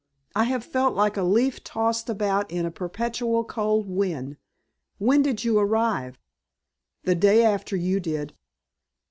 I have felt like a leaf tossed about in a perpetual cold wind. When did you arrive?" "The day after you did."